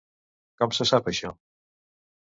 Com se sap això?